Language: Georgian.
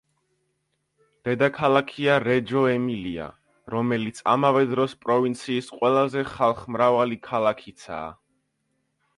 დედაქალაქია რეჯო-ემილია, რომელიც ამავე დროს პროვინციის ყველაზე ხალხმრავალი ქალაქიცაა.